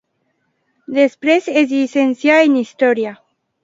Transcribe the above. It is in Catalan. Després es llicencià en Història.